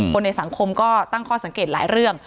คนในสังคมก็ตั้งข้อสังเกตหลายเรื่อง